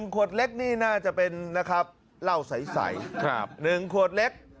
ขวดเล็กนี่น่าจะเป็นนะครับเหล้าใส๑ขวดเล็ก